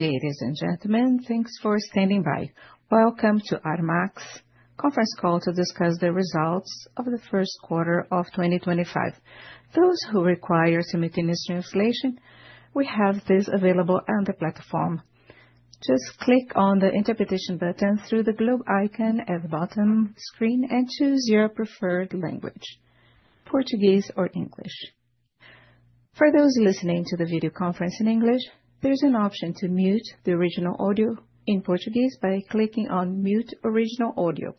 Ladies and gentlemen, thanks for standing by. Welcome to Armac's conference call to discuss the results of the first quarter of 2025. Those who require simultaneous translation, we have this available on the platform. Just click on the interpretation button through the globe icon at the bottom screen and choose your preferred language: Portuguese or English. For those listening to the video conference in English, there is an option to mute the original audio in Portuguese by clicking on "Mute Original Audio."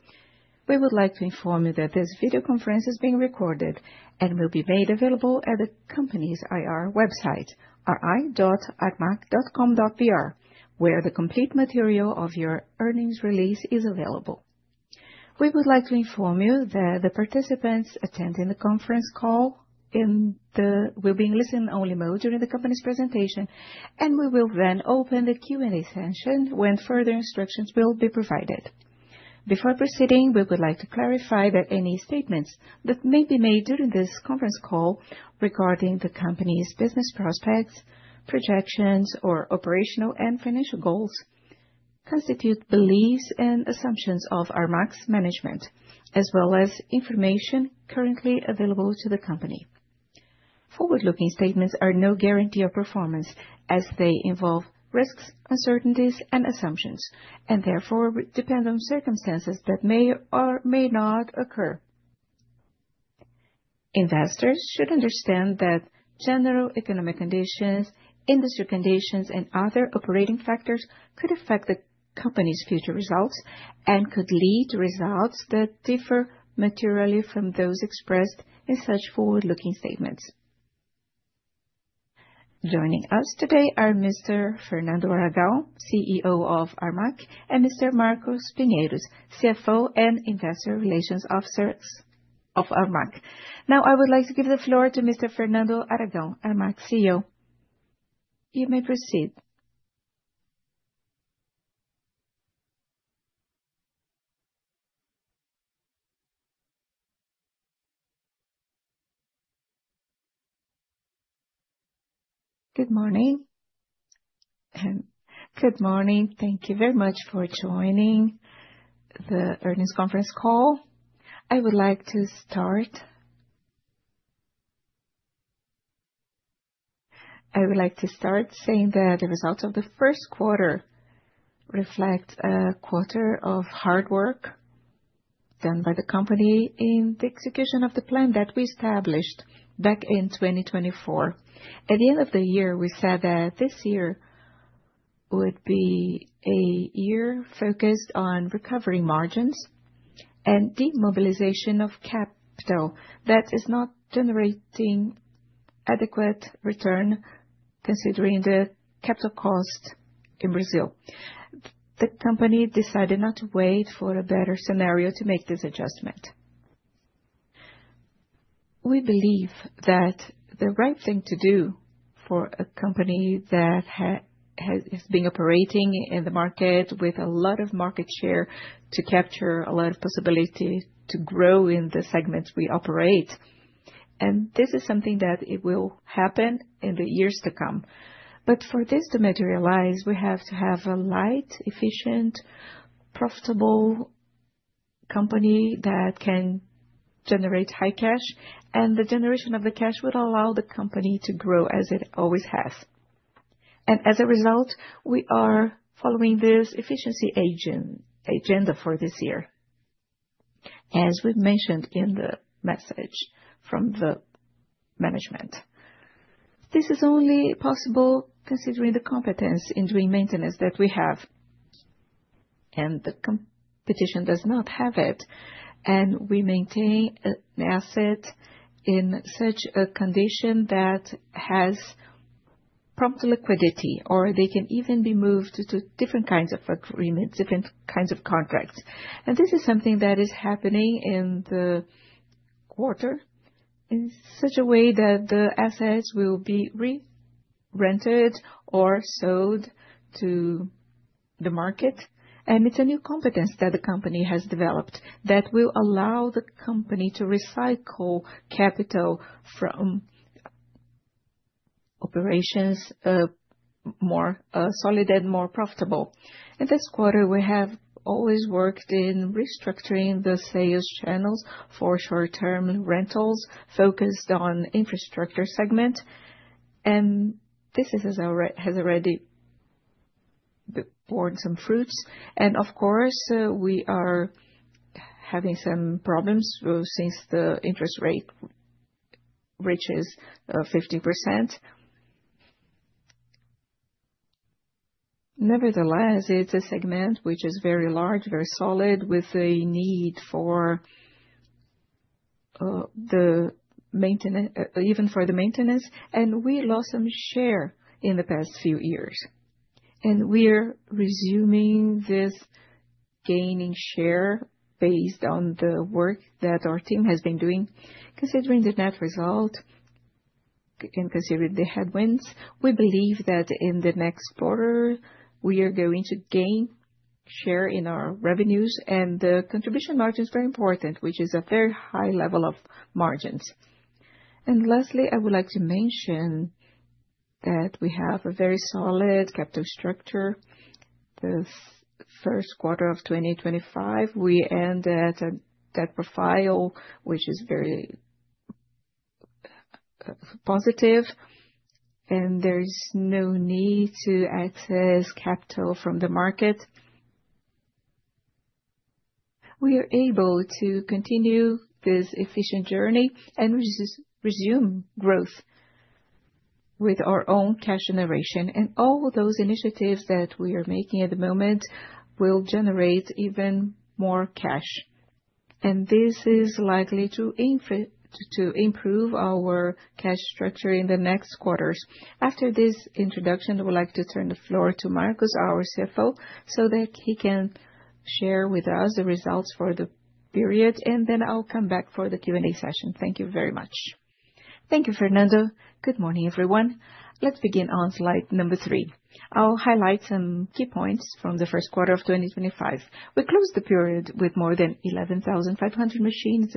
We would like to inform you that this video conference is being recorded and will be made available at the company's IR website, ri.armac.com.br, where the complete material of your earnings release is available. We would like to inform you that the participants attending the conference call will be in listening-only mode during the company's presentation, and we will then open the Q&A session when further instructions will be provided. Before proceeding, we would like to clarify that any statements that may be made during this conference call regarding the company's business prospects, projections, or operational and financial goals constitute beliefs and assumptions of Armac's management, as well as information currently available to the company. Forward-looking statements are no guarantee of performance as they involve risks, uncertainties, and assumptions, and therefore depend on circumstances that may or may not occur. Investors should understand that general economic conditions, industry conditions, and other operating factors could affect the company's future results and could lead to results that differ materially from those expressed in such forward-looking statements. Joining us today are Mr. Fernando Aragão, CEO of Armac, and Mr. Marcos Pinheiro, CFO and Investor Relations Officer of Armac. Now, I would like to give the floor to Mr. Fernando Aragão, Armac CEO. You may proceed. Good morning. Good morning. Thank you very much for joining the earnings conference call. I would like to start. I would like to start saying that the results of the first quarter reflect a quarter of hard work done by the company in the execution of the plan that we established back in 2024. At the end of the year, we said that this year would be a year focused on recovering margins and demobilization of capital that is not generating adequate return considering the capital cost in Brazil. The company decided not to wait for a better scenario to make this adjustment. We believe that the right thing to do for a company that has been operating in the market with a lot of market share to capture, a lot of possibility to grow in the segments we operate, this is something that will happen in the years to come. For this to materialize, we have to have a light, efficient, profitable company that can generate high cash, and the generation of the cash would allow the company to grow as it always has. As a result, we are following this efficiency agenda for this year, as we mentioned in the message from the management. This is only possible considering the competence in doing maintenance that we have, and the competition does not have it, and we maintain an asset in such a condition that has prompt liquidity, or they can even be moved to different kinds of agreements, different kinds of contracts. This is something that is happening in the quarter in such a way that the assets will be re-rented or sold to the market, and it is a new competence that the company has developed that will allow the company to recycle capital from operations more solid and more profitable. In this quarter, we have always worked in restructuring the sales channels for short-term rentals focused on the infrastructure segment, and this has already borne some fruits. Of course, we are having some problems since the interest rate reaches 15%. Nevertheless, it's a segment which is very large, very solid, with a need for the maintenance, even for the maintenance, and we lost some share in the past few years. We are resuming this gaining share based on the work that our team has been doing. Considering the net result and considering the headwinds, we believe that in the next quarter, we are going to gain share in our revenues, and the contribution margin is very important, which is a very high level of margins. Lastly, I would like to mention that we have a very solid capital structure. The first quarter of 2025, we end at that profile, which is very positive, and there is no need to access capital from the market. We are able to continue this efficient journey and resume growth with our own cash generation, and all those initiatives that we are making at the moment will generate even more cash, and this is likely to improve our cash structure in the next quarters. After this introduction, I would like to turn the floor to Marcos, our CFO, so that he can share with us the results for the period, and then I'll come back for the Q&A session. Thank you very much. Thank you, Fernando. Good morning, everyone. Let's begin on slide number three. I'll highlight some key points from the first quarter of 2025. We closed the period with more than 11,500 machines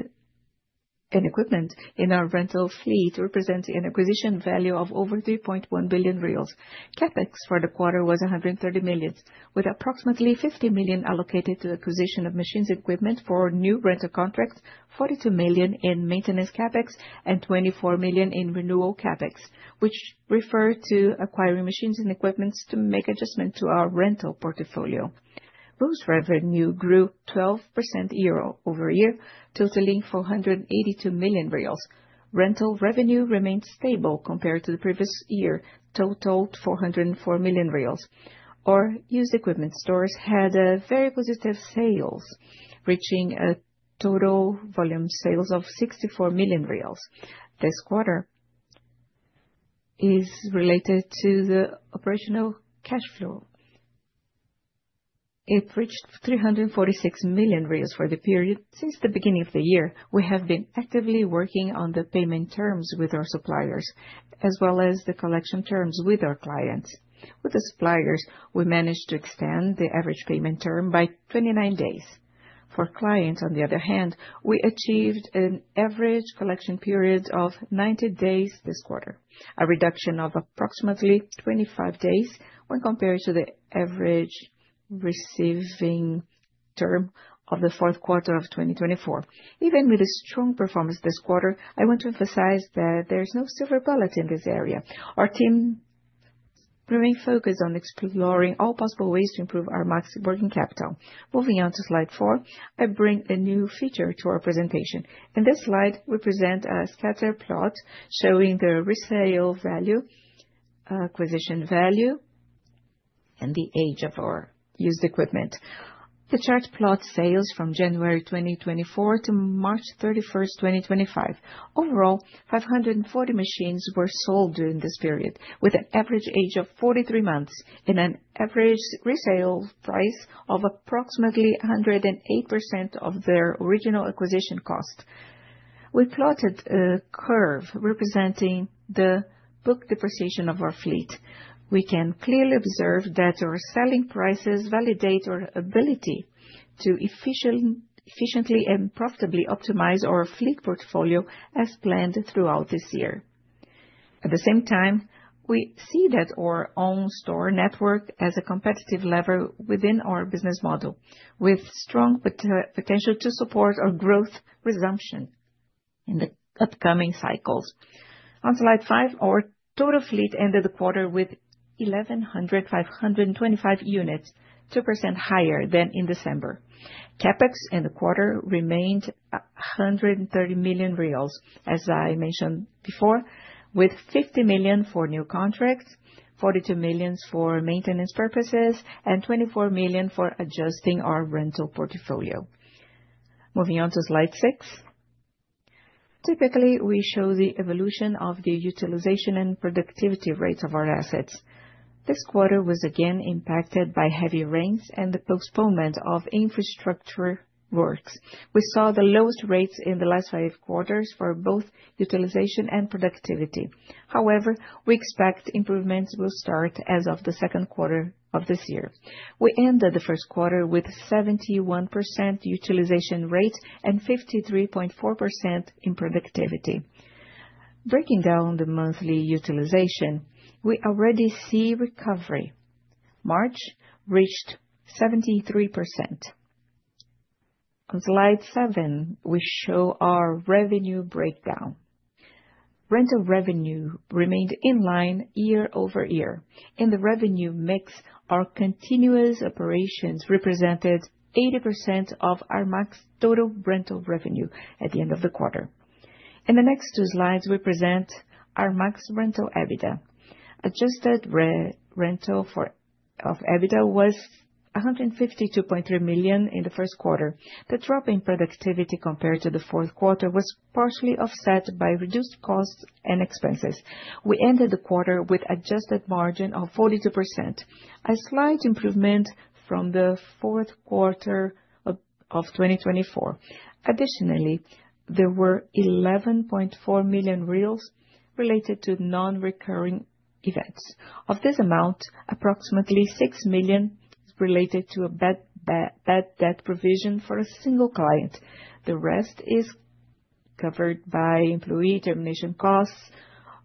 and equipment in our rental fleet, representing an acquisition value of over 3.1 billion reais. Capex for the quarter was 130 million, with approximately 50 million allocated to acquisition of machines and equipment for new rental contracts, 42 million in maintenance CapEx, and 24 million in renewal CapEx, which refer to acquiring machines and equipment to make adjustments to our rental portfolio. Rules revenue grew 12% year-over-year, totaling 482 million reais. Rental revenue remained stable compared to the previous year, totaled 404 million reais. Our used equipment stores had very positive sales, reaching a total volume sales of 64 million reais. This quarter is related to the operational cash flow. It reached 346 million for the period. Since the beginning of the year, we have been actively working on the payment terms with our suppliers, as well as the collection terms with our clients. With the suppliers, we managed to extend the average payment term by 29 days. For clients, on the other hand, we achieved an average collection period of 90 days this quarter, a reduction of approximately 25 days when compared to the average receiving term of the fourth quarter of 2024. Even with a strong performance this quarter, I want to emphasize that there's no silver bullet in this area. Our team remains focused on exploring all possible ways to improve Armac's working capital. Moving on to slide four, I bring a new feature to our presentation. In this slide, we present a scatter plot showing the resale value, acquisition value, and the age of our used equipment. The chart plots sales from January 2024 to March 31st 2025. Overall, 540 machines were sold during this period, with an average age of 43 months and an average resale price of approximately 108% of their original acquisition cost. We plotted a curve representing the book depreciation of our fleet. We can clearly observe that our selling prices validate our ability to efficiently and profitably optimize our fleet portfolio as planned throughout this year. At the same time, we see that our own store network has a competitive lever within our business model, with strong potential to support our growth resumption in the upcoming cycles. On slide five, our total fleet ended the quarter with 11,525 units, 2% higher than in December. Capex in the quarter remained 130 million reais, as I mentioned before, with 50 million for new contracts, 42 million for maintenance purposes, and 24 million for adjusting our rental portfolio. Moving on to slide six. Typically, we show the evolution of the utilization and productivity rates of our assets. This quarter was again impacted by heavy rains and the postponement of infrastructure works. We saw the lowest rates in the last five quarters for both utilization and productivity. However, we expect improvements will start as of the second quarter of this year. We ended the first quarter with a 71% utilization rate and 53.4% in productivity. Breaking down the monthly utilization, we already see recovery. March reached 73%. On slide seven, we show our revenue breakdown. Rental revenue remained in line year-over-year, and the revenue mix, our continuous operations, represented 80% of Armac's total rental revenue at the end of the quarter. In the next two slides, we present Armac's rental EBITDA. Adjusted rental EBITDA was 152.3 million in the first quarter. The drop in productivity compared to the fourth quarter was partially offset by reduced costs and expenses. We ended the quarter with an adjusted margin of 42%, a slight improvement from the fourth quarter of 2024. Additionally, there were 11.4 million related to non-recurring events. Of this amount, approximately 6 million is related to a bad debt provision for a single client. The rest is covered by employee termination costs,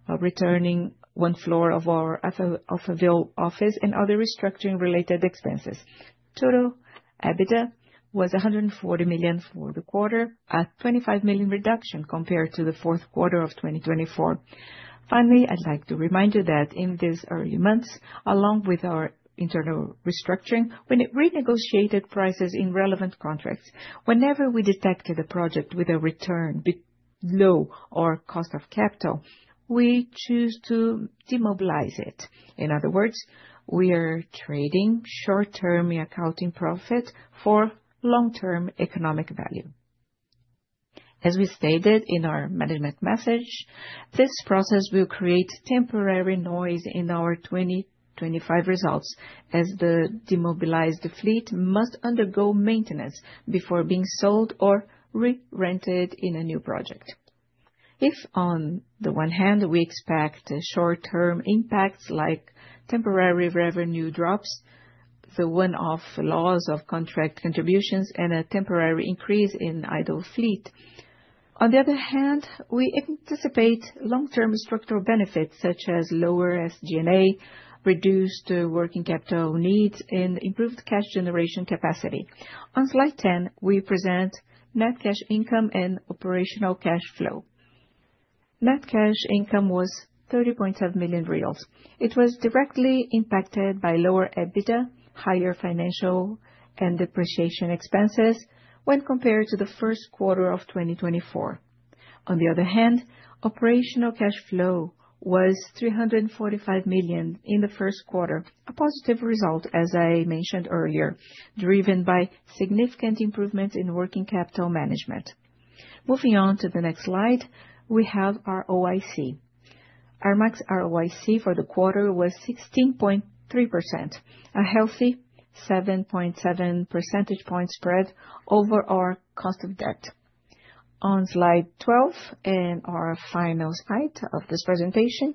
returning one floor of our office and other restructuring-related expenses. Total EBITDA was 140 million for the quarter, a 25 million reduction compared to the fourth quarter of 2024. Finally, I'd like to remind you that in these early months, along with our internal restructuring, we renegotiated prices in relevant contracts. Whenever we detected a project with a return below our cost of capital, we choose to demobilize it. In other words, we are trading short-term accounting profit for long-term economic value. As we stated in our management message, this process will create temporary noise in our 2025 results as the demobilized fleet must undergo maintenance before being sold or re-rented in a new project. If, on the one hand, we expect short-term impacts like temporary revenue drops, the one-off loss of contract contributions, and a temporary increase in idle fleet, on the other hand, we anticipate long-term structural benefits such as lower SG&A, reduced working capital needs, and improved cash generation capacity. On slide 10, we present net cash income and operational cash flow. Net cash income was 30.7 million reais. It was directly impacted by lower EBITDA, higher financial and depreciation expenses when compared to the first quarter of 2024. On the other hand, operational cash flow was 345 million in the first quarter, a positive result, as I mentioned earlier, driven by significant improvements in working capital management. Moving on to the next slide, we have our ROIC. Armac's ROIC for the quarter was 16.3%, a healthy 7.7 percentage points spread over our cost of debt. On slide 12, in our final slide of this presentation,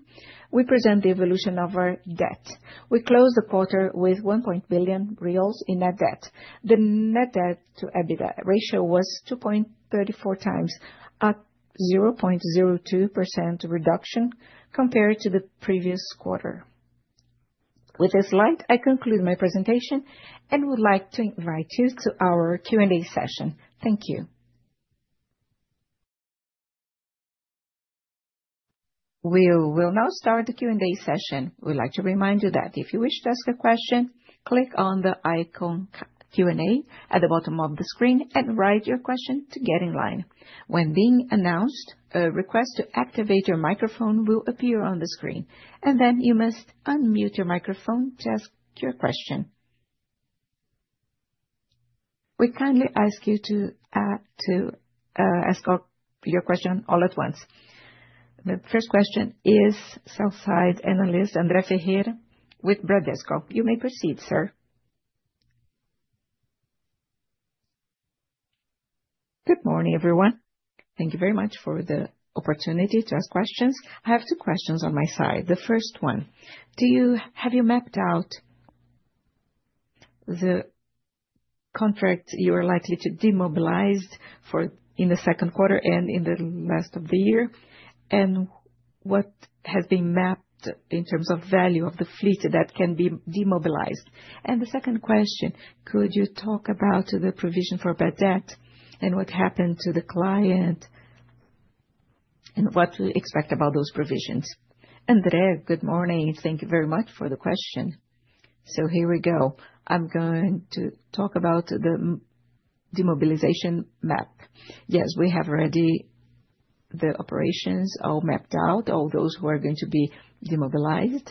we present the evolution of our debt. We closed the quarter with 1.1 billion reais in net debt. The net debt to EBITDA ratio was 2.34x, a 0.02% reduction compared to the previous quarter. With this slide, I conclude my presentation and would like to invite you to our Q&A session. Thank you. We will now start the Q&A session. We'd like to remind you that if you wish to ask a question, click on the icon Q&A at the bottom of the screen and write your question to get in line. When being announced, a request to activate your microphone will appear on the screen, and then you must unmute your microphone to ask your question. We kindly ask you to ask your question all at once. The first question is Southside Analyst, André Ferreira, with Bradesco. You may proceed, sir. Good morning, everyone. Thank you very much for the opportunity to ask questions. I have two questions on my side. The first one, have you mapped out the contract you are likely to demobilize in the second quarter and in the last of the year? What has been mapped in terms of value of the fleet that can be demobilized? The second question, could you talk about the provision for bad debt and what happened to the client and what to expect about those provisions? Andrea, good morning. Thank you very much for the question. Here we go. I'm going to talk about the demobilization map. Yes, we have already the operations all mapped out, all those who are going to be demobilized.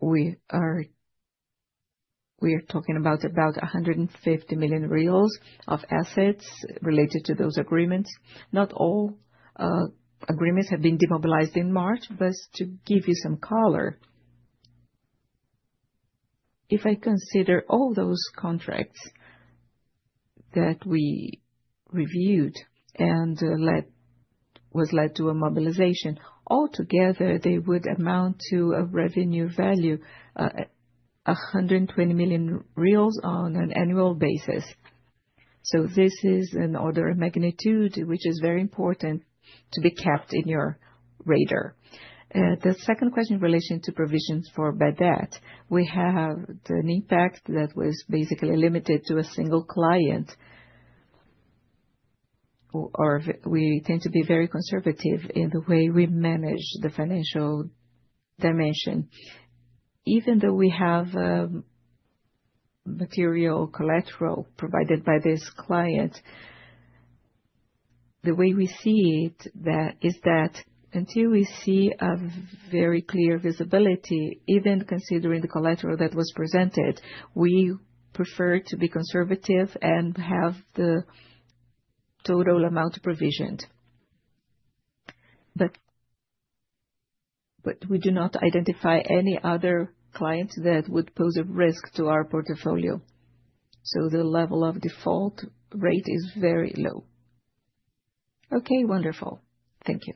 We are talking about about 150 million reais of assets related to those agreements. Not all agreements have been demobilized in March, but to give you some color, if I consider all those contracts that we reviewed and was led to a mobilization, altogether, they would amount to a revenue value of 120 million reais on an annual basis. This is an order of magnitude which is very important to be kept in your radar. The second question in relation to provisions for bad debt, we have an impact that was basically limited to a single client, or we tend to be very conservative in the way we manage the financial dimension. Even though we have material collateral provided by this client, the way we see it is that until we see a very clear visibility, even considering the collateral that was presented, we prefer to be conservative and have the total amount provisioned. But we do not identify any other clients that would pose a risk to our portfolio. So the level of default rate is very low. Okay, wonderful. Thank you.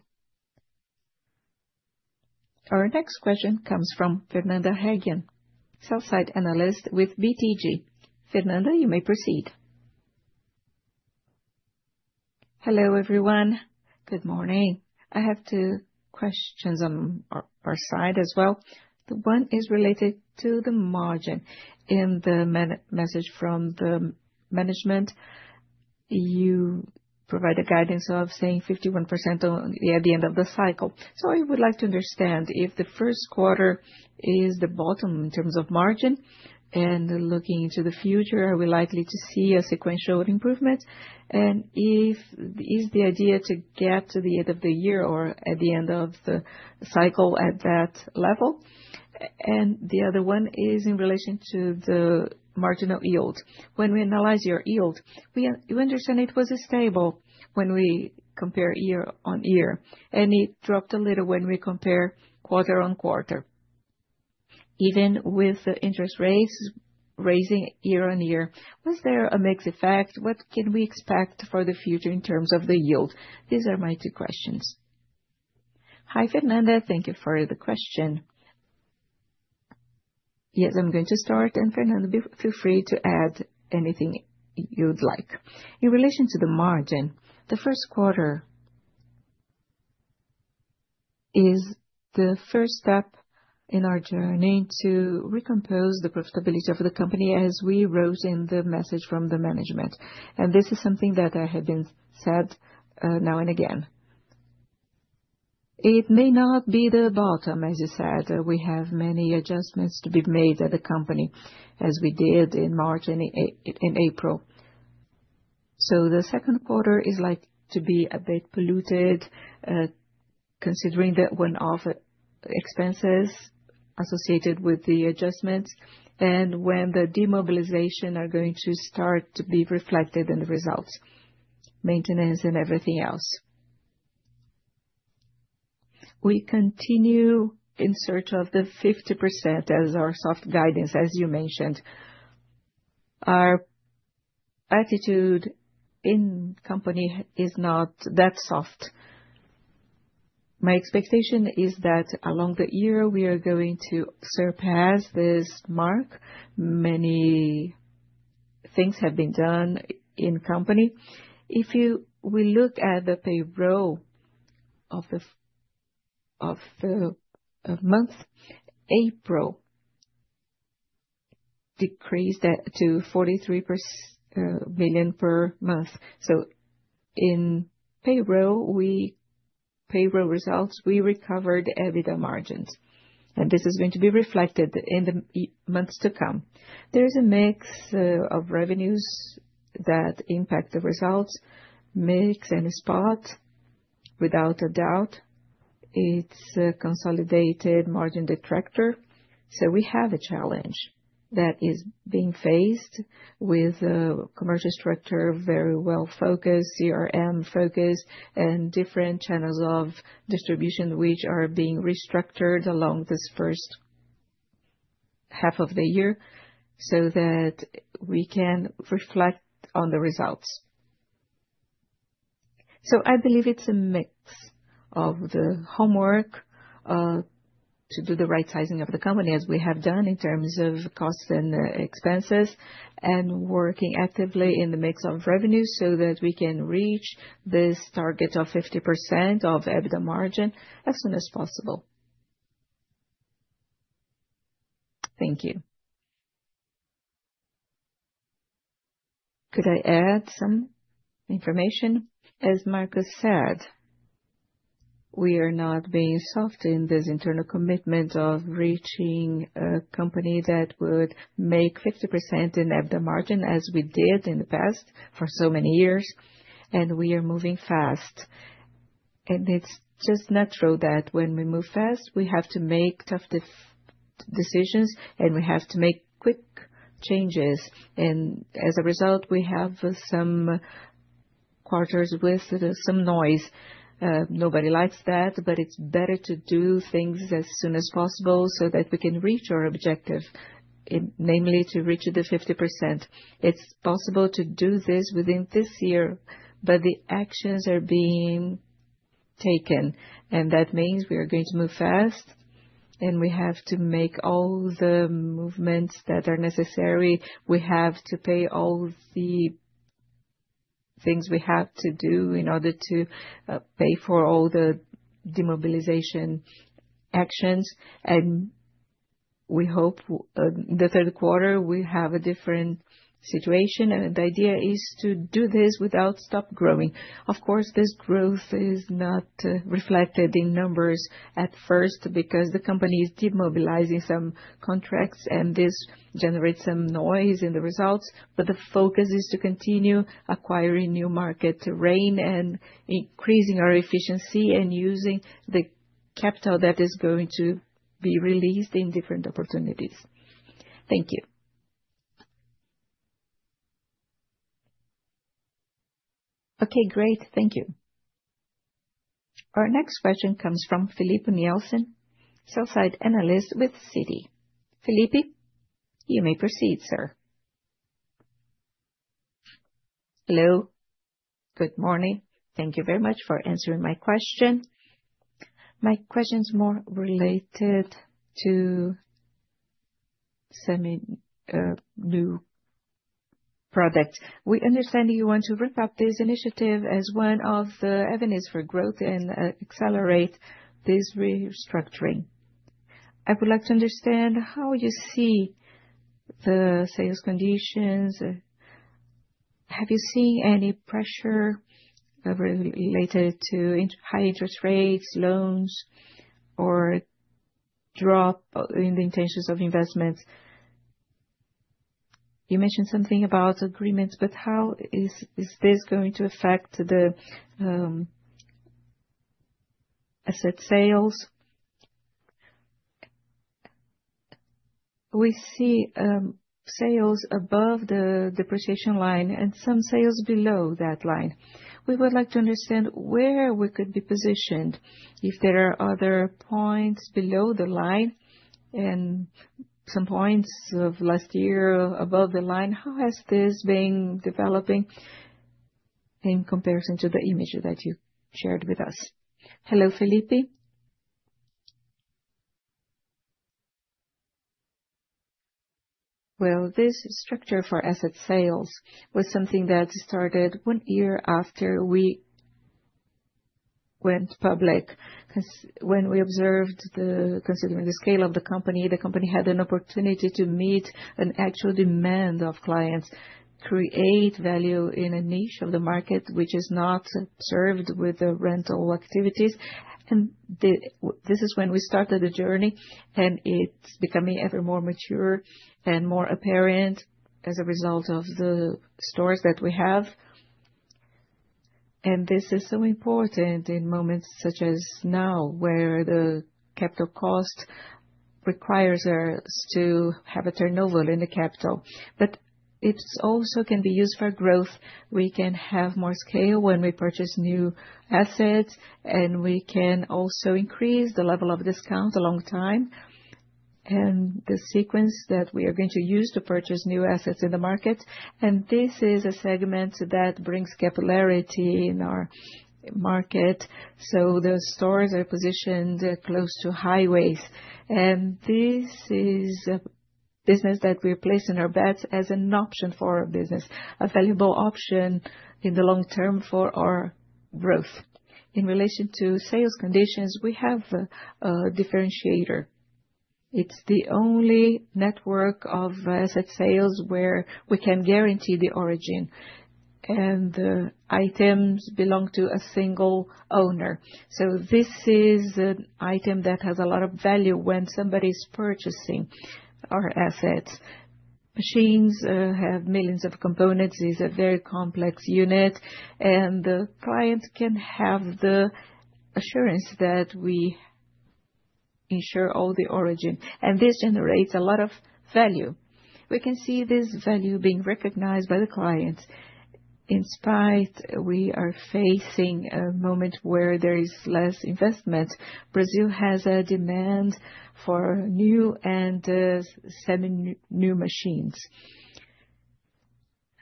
Our next question comes from Fernanda Hagen, Southside Analyst with BTG. Fernanda, you may proceed. Hello, everyone. Good morning. I have two questions on our side as well. The one is related to the margin. In the message from the management, you provide a guidance of saying 51% at the end of the cycle. So I would like to understand if the first quarter is the bottom in terms of margin and looking into the future, are we likely to see a sequential improvement? And is the idea to get to the end of the year or at the end of the cycle at that level? And the other one is in relation to the marginal yield. When we analyze your yield, you understand it was stable when we compare year on year, and it dropped a little when we compare quarter on quarter. Even with the interest rates raising year on year, was there a mixed effect? What can we expect for the future in terms of the yield? These are my two questions. Hi, Fernanda. Thank you for the question. Yes, I'm going to start, and Fernanda, feel free to add anything you'd like. In relation to the margin, the first quarter is the first step in our journey to recompose the profitability of the company, as we wrote in the message from the management. This is something that I have been said now and again. It may not be the bottom, as you said. We have many adjustments to be made at the company, as we did in March and April. The second quarter is likely to be a bit polluted, considering the one-off expenses associated with the adjustments and when the demobilization is going to start to be reflected in the results, maintenance, and everything else. We continue in search of the 50% as our soft guidance, as you mentioned. Our attitude in the company is not that soft. My expectation is that along the year, we are going to surpass this mark. Many things have been done in the company. If we look at the payroll of the month, April decreased to 43 million per month. In payroll results, we recovered EBITDA margins. This is going to be reflected in the months to come. There is a mix of revenues that impact the results, mix and spot. Without a doubt, it is a consolidated margin detractor. We have a challenge that is being faced with a commercial structure very well focused, CRM focused, and different channels of distribution which are being restructured along this first half of the year so that we can reflect on the results. I believe it is a mix of the homework to do the right sizing of the company, as we have done in terms of costs and expenses, and working actively in the mix of revenues so that we can reach this target of 50% of EBITDA margin as soon as possible. Thank you. Could I add some information? As Marcos said, we are not being soft in this internal commitment of reaching a company that would make 50% in EBITDA margin, as we did in the past for so many years. We are moving fast. It is just natural that when we move fast, we have to make tough decisions, and we have to make quick changes. As a result, we have some quarters with some noise. Nobody likes that, but it is better to do things as soon as possible so that we can reach our objective, namely to reach the 50%. It is possible to do this within this year, but the actions are being taken. That means we are going to move fast, and we have to make all the movements that are necessary. We have to pay all the things we have to do in order to pay for all the demobilization actions. We hope the third quarter, we have a different situation. The idea is to do this without stop growing. Of course, this growth is not reflected in numbers at first because the company is demobilizing some contracts, and this generates some noise in the results. The focus is to continue acquiring new market terrain and increasing our efficiency and using the capital that is going to be released in different opportunities. Thank you. Okay, great. Thank you. Our next question comes from Filipe Nielsen, Southside Analyst with Citi. Filipe, you may proceed, sir. Hello. Good morning. Thank you very much for answering my question. My question is more related to semi-new products. We understand that you want to ramp up this initiative as one of the avenues for growth and accelerate this restructuring. I would like to understand how you see the sales conditions. Have you seen any pressure related to high interest rates, loans, or drop in the intentions of investments? You mentioned something about agreements, but how is this going to affect the asset sales? We see sales above the depreciation line and some sales below that line. We would like to understand where we could be positioned. If there are other points below the line and some points of last year above the line, how has this been developing in comparison to the image that you shared with us? Hello, Filipe. This structure for asset sales was something that started one year after we went public. When we observed the scale of the company, the company had an opportunity to meet an actual demand of clients, create value in a niche of the market which is not served with the rental activities. This is when we started the journey, and it's becoming ever more mature and more apparent as a result of the stores that we have. This is so important in moments such as now, where the capital cost requires us to have a turnover in the capital. It also can be used for growth. We can have more scale when we purchase new assets, and we can also increase the level of discount a long time. The sequence that we are going to use to purchase new assets in the market is important. This is a segment that brings capillarity in our market. The stores are positioned close to highways. This is a business that we're placing our bets as an option for our business, a valuable option in the long term for our growth. In relation to sales conditions, we have a differentiator. It's the only network of asset sales where we can guarantee the origin. The items belong to a single owner. This is an item that has a lot of value when somebody is purchasing our assets. Machines have millions of components. It is a very complex unit. The client can have the assurance that we ensure all the origin, and this generates a lot of value. We can see this value being recognized by the clients. In spite of this, we are facing a moment where there is less investment. Brazil has a demand for new and semi-new machines,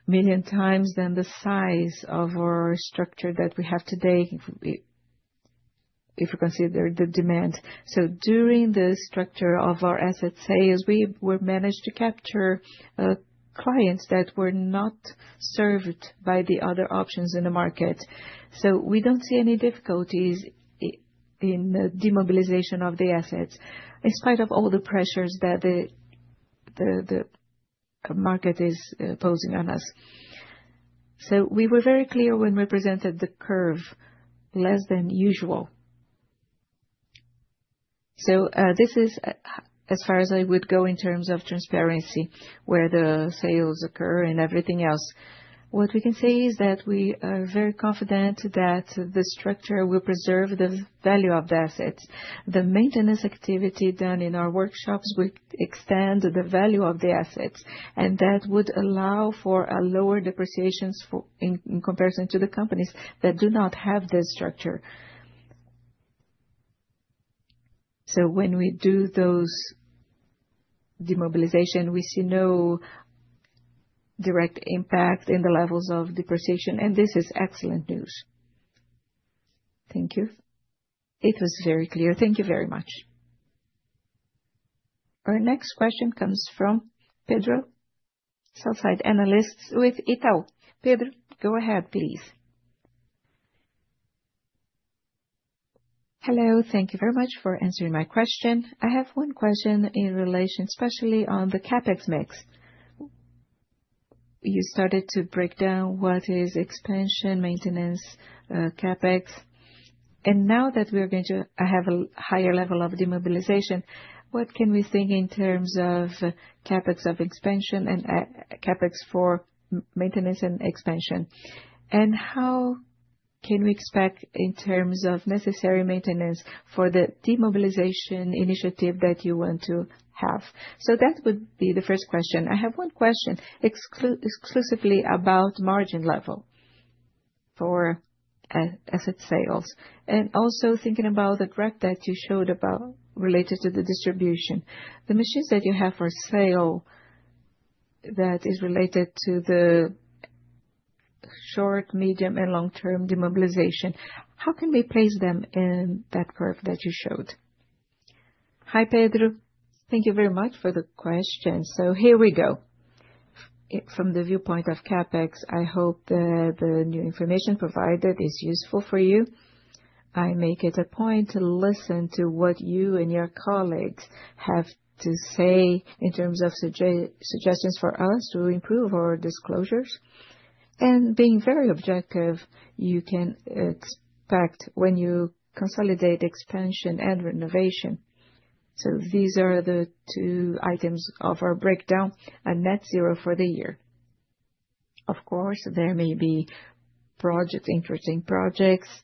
a million times the size of our structure that we have today, if we consider the demand. During the structure of our asset sales, we were able to capture clients that were not served by the other options in the market. We do not see any difficulties in the demobilization of the assets, in spite of all the pressures that the market is posing on us. We were very clear when we presented the curve, less than usual. This is as far as I would go in terms of transparency, where the sales occur and everything else. What we can say is that we are very confident that the structure will preserve the value of the assets. The maintenance activity done in our workshops would extend the value of the assets. That would allow for lower depreciations in comparison to the companies that do not have this structure. When we do those demobilization, we see no direct impact in the levels of depreciation. This is excellent news. Thank you. It was very clear. Thank you very much. Our next question comes from Pedro, Southside Analysts with Itaú. Pedro, go ahead, please. Hello. Thank you very much for answering my question. I have one question in relation, especially on the CapEx mix. You started to break down what is expansion, maintenance, CapEx. Now that we're going to have a higher level of demobilization, what can we think in terms of CapEx of expansion and CapEx for maintenance and expansion? How can we expect in terms of necessary maintenance for the demobilization initiative that you want to have? That would be the first question. I have one question exclusively about margin level for asset sales. Also, thinking about the graph that you showed related to the distribution, the machines that you have for sale that is related to the short, medium, and long-term demobilization, how can we place them in that curve that you showed? Hi, Pedro. Thank you very much for the question. Here we go. From the viewpoint of CapEx, I hope that the new information provided is useful for you. I make it a point to listen to what you and your colleagues have to say in terms of suggestions for us to improve our disclosures. Being very objective, you can expect when you consolidate expansion and renovation. These are the two items of our breakdown, a net zero for the year. Of course, there may be interesting projects.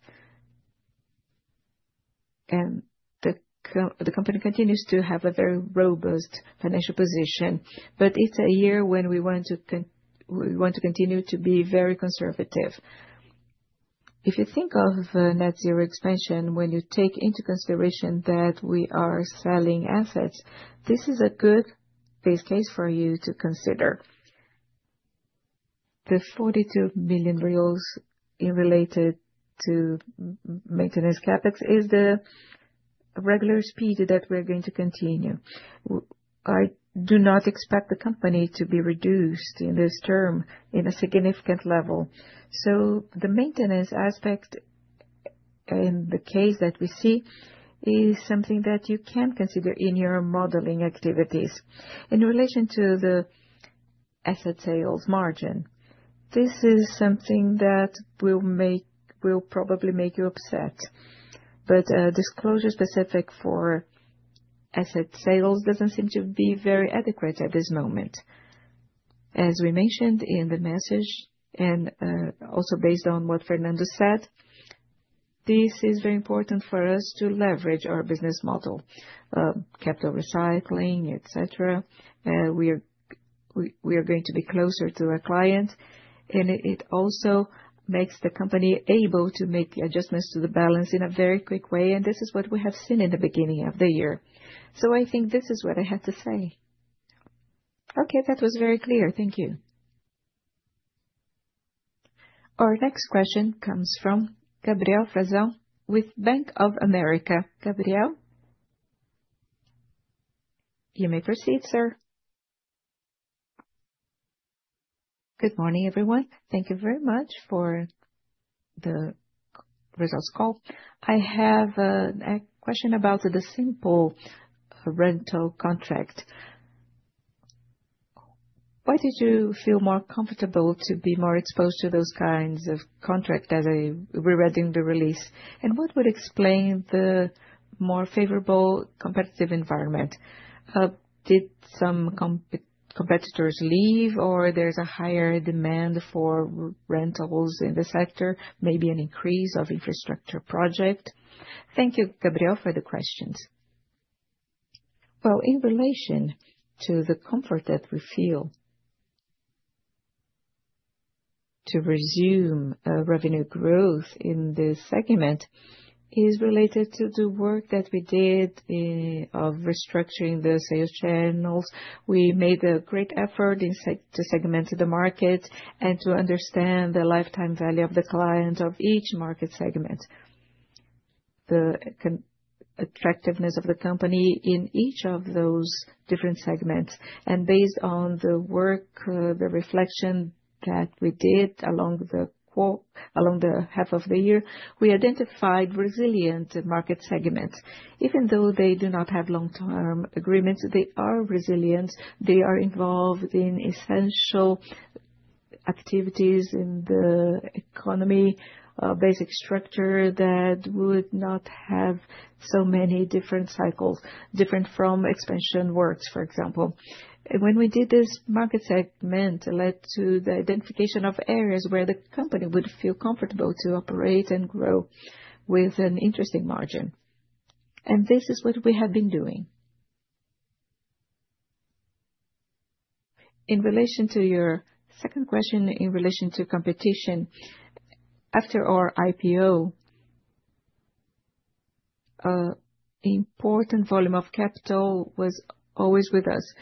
The company continues to have a very robust financial position. It is a year when we want to continue to be very conservative. If you think of net zero expansion, when you take into consideration that we are selling assets, this is a good base case for you to consider. The BRL 42 million related to maintenance CapEx is the regular speed that we are going to continue. I do not expect the company to be reduced in this term in a significant level. The maintenance aspect in the case that we see is something that you can consider in your modeling activities. In relation to the asset sales margin, this is something that will probably make you upset. Disclosure specific for asset sales does not seem to be very adequate at this moment. As we mentioned in the message, and also based on what Fernando said, this is very important for us to leverage our business model, capital recycling, etc. We are going to be closer to our client. It also makes the company able to make adjustments to the balance in a very quick way. This is what we have seen in the beginning of the year. I think this is what I had to say. Okay, that was very clear. Thank you. Our next question comes from Gabriel Frazon with Bank of America. Gabriel, you may proceed, sir. Good morning, everyone. Thank you very much for the results call. I have a question about the simple rental contract. Why did you feel more comfortable to be more exposed to those kinds of contracts as we're reading the release? What would explain the more favorable competitive environment? Did some competitors leave, or is there a higher demand for rentals in the sector, maybe an increase of infrastructure project? Thank you, Gabriel, for the questions. In relation to the comfort that we feel to resume revenue growth in this segment, it is related to the work that we did of restructuring the sales channels. We made a great effort to segment the market and to understand the lifetime value of the client of each market segment, the attractiveness of the company in each of those different segments. Based on the work, the reflection that we did along the half of the year, we identified resilient market segments. Even though they do not have long-term agreements, they are resilient. They are involved in essential activities in the economy, basic structure that would not have so many different cycles, different from expansion works, for example. When we did this market segment, it led to the identification of areas where the company would feel comfortable to operate and grow with an interesting margin. This is what we have been doing. In relation to your second question, in relation to competition, after our IPO, important volume of capital was always with us.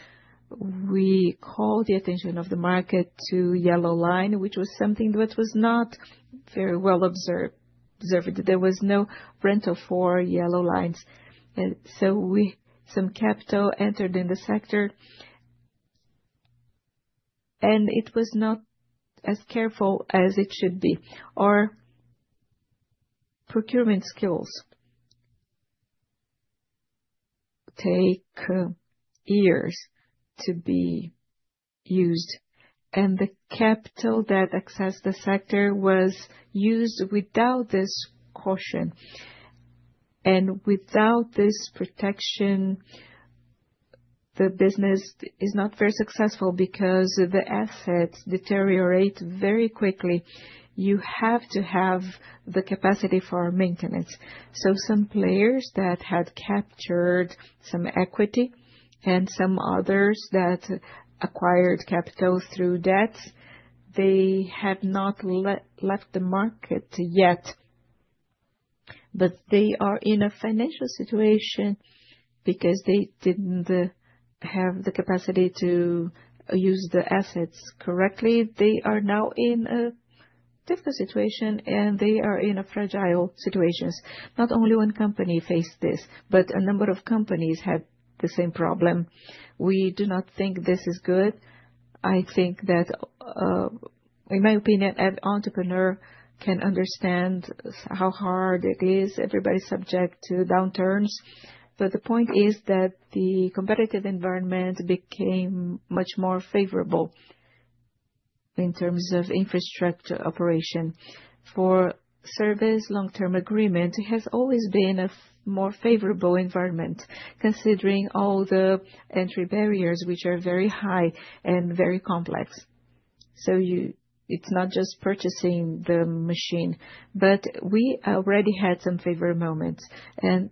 We called the attention of the market to yellow line, which was something that was not very well observed. There was no rental for yellow lines. Some capital entered in the sector, and it was not as careful as it should be. Our procurement skills take years to be used. The capital that accessed the sector was used without this caution. Without this protection, the business is not very successful because the assets deteriorate very quickly. You have to have the capacity for maintenance. Some players that had captured some equity and some others that acquired capital through debts have not left the market yet. They are in a financial situation because they did not have the capacity to use the assets correctly. They are now in a difficult situation, and they are in a fragile situation. Not only one company faced this, but a number of companies had the same problem. We do not think this is good. I think that, in my opinion, every entrepreneur can understand how hard it is. Everybody's subject to downturns. The point is that the competitive environment became much more favorable in terms of infrastructure operation. For service, long-term agreement has always been a more favorable environment, considering all the entry barriers, which are very high and very complex. It is not just purchasing the machine, but we already had some favorable moments. It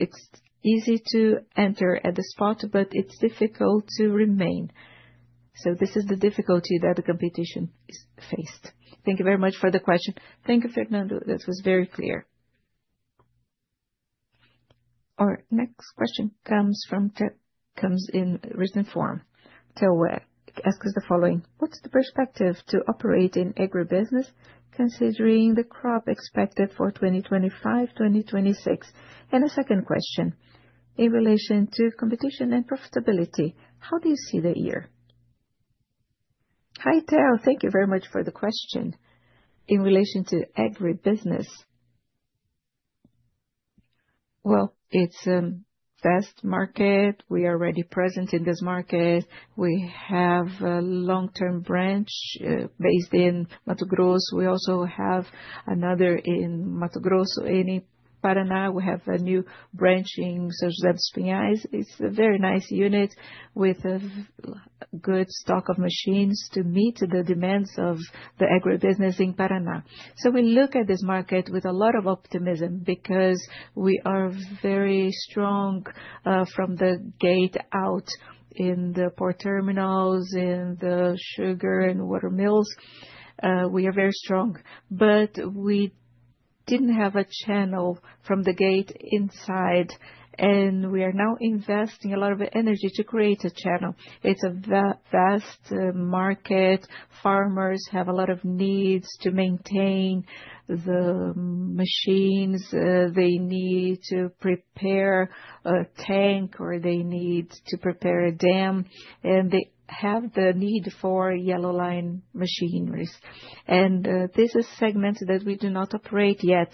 is easy to enter at the spot, but it is difficult to remain. This is the difficulty that the competition faced. Thank you very much for the question. Thank you, Fernando. That was very clear. Our next question comes in written form. Next is the following. What's the perspective to operate in agribusiness considering the crop expected for 2025-2026? A second question. In relation to competition and profitability, how do you see the year? Hi, There. Thank you very much for the question. In relation to agribusiness, it's a vast market. We are already present in this market. We have a long-term branch based in Mato Grosso. We also have another in Mato Grosso in Paraná. We have a new branch in São José dos Pinhais. It's a very nice unit with a good stock of machines to meet the demands of the agribusiness in Paraná. We look at this market with a lot of optimism because we are very strong from the gate out in the port terminals, in the sugar and water mills. We are very strong. We didn't have a channel from the gate inside. We are now investing a lot of energy to create a channel. It's a vast market. Farmers have a lot of needs to maintain the machines. They need to prepare a tank, or they need to prepare a dam. They have the need for yellow line machineries. This is a segment that we do not operate yet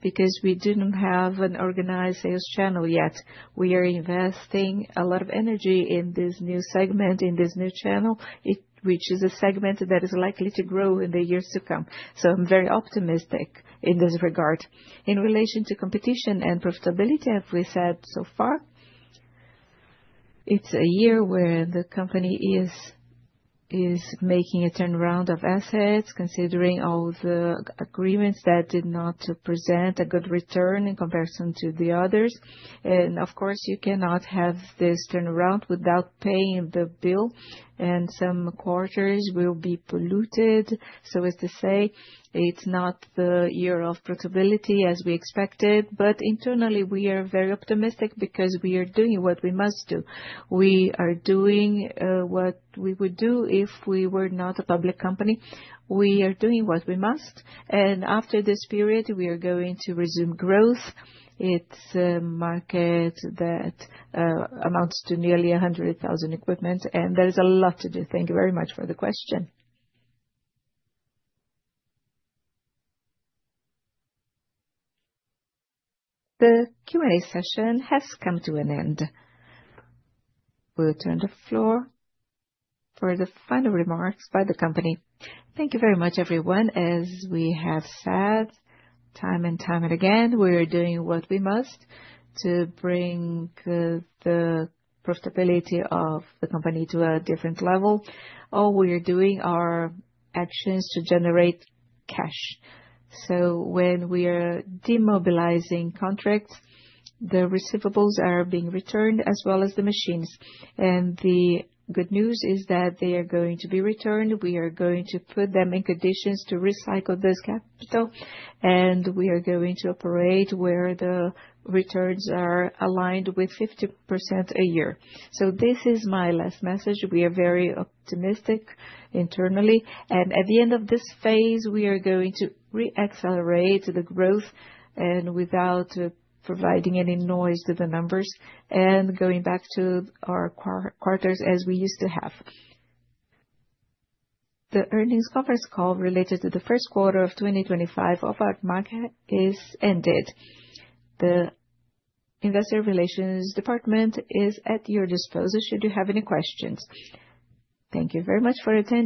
because we did not have an organized sales channel yet. We are investing a lot of energy in this new segment, in this new channel, which is a segment that is likely to grow in the years to come. I am very optimistic in this regard. In relation to competition and profitability, as we said so far, it is a year where the company is making a turnaround of assets, considering all the agreements that did not present a good return in comparison to the others. Of course, you cannot have this turnaround without paying the bill. Some quarters will be polluted, so to say. It is not the year of profitability as we expected. Internally, we are very optimistic because we are doing what we must do. We are doing what we would do if we were not a public company. We are doing what we must. After this period, we are going to resume growth. It is a market that amounts to nearly 100,000 equipment. There is a lot to do. Thank you very much for the question. The Q&A session has come to an end. We will turn the floor for the final remarks by the company. Thank you very much, everyone. As we have said time and time again, we are doing what we must to bring the profitability of the company to a different level. All we are doing are actions to generate cash. When we are demobilizing contracts, the receivables are being returned as well as the machines. The good news is that they are going to be returned. We are going to put them in conditions to recycle this capital. We are going to operate where the returns are aligned with 50% a year. This is my last message. We are very optimistic internally. At the end of this phase, we are going to re-accelerate the growth without providing any noise to the numbers and going back to our quarters as we used to have. The earnings conference call related to the first quarter of 2025 of our market is ended. The investor relations department is at your disposal should you have any questions. Thank you very much for attending.